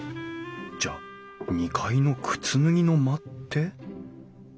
じゃあ２階の靴脱ぎの間って？